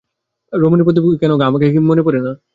রমণী প্রদীপ রাখিয়া কহিল, কেন গা, আমাকে কি আর মনে পড়ে না।